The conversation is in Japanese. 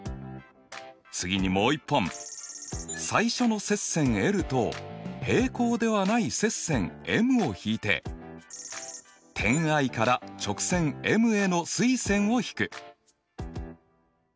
次にもう一本最初の接線と平行ではない接線ｍを引いて点Ｉから直線ｍへの垂線を引く。